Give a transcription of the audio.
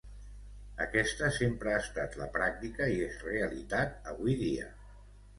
Aquesta sempre ha estat la pràctica i és realitat avui dia.